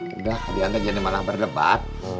udah adianto jadi malah berdebat